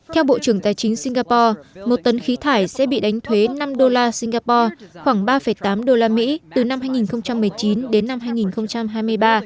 theo bộ trưởng tài chính singapore một tấn khí thải sẽ bị đánh thuế năm đô la singapore khoảng ba tám usd từ năm hai nghìn một mươi chín đến năm hai nghìn hai mươi ba